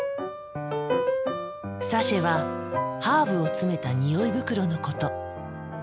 サシェはハーブを詰めた匂い袋のこと。